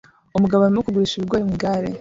Umugabo arimo kugurisha ibigori mu igare